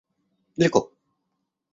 Далеко.